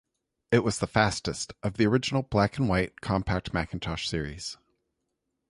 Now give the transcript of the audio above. It was the fastest of the original black-and-white compact Macintosh series.